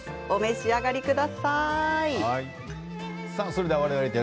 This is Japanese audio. お召し上がりください。